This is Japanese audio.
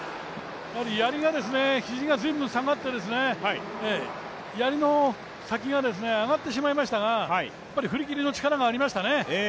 肱が全部下がって、やりの先が上がってしまいましたが、振り切りの力がありましたね。